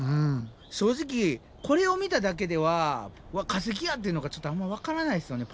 正直これを見ただけでは「わっ化石や！」っていうのがちょっとあんま分からないですよね